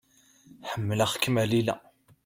Ḥemmleɣ-kem a Lila.